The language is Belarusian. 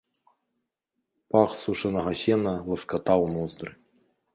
Пах сушанага сена ласкатаў ноздры.